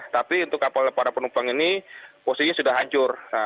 tapi untuk kapal para penumpang ini posisinya sudah hancur